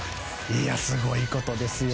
すごいことですよ。